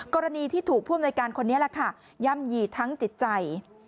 กรณีที่ถูกพ่วนบริการคนนี้แหละค่ะย่ำยีทั้งจิตใจ